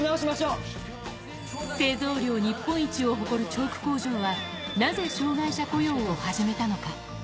製造量日本一を誇るチョーク工場は、なぜ障がい者雇用を始めたのか？